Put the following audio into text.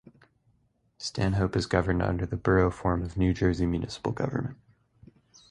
Stanhope is governed under the Borough form of New Jersey municipal government.